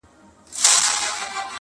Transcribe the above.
هم تر نارنج هم تر انار ښکلی دی.!